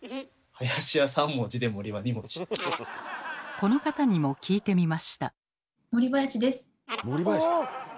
この方にも聞いてみました。